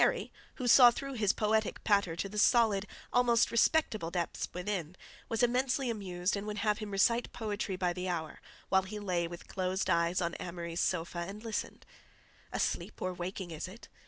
Kerry, who saw through his poetic patter to the solid, almost respectable depths within, was immensely amused and would have him recite poetry by the hour, while he lay with closed eyes on Amory's sofa and listened: "Asleep or waking is it?